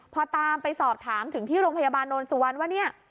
พอตามไปสอบถามถึงที่โรงพยาบาลโนนสุวรรณว่าเนี่ย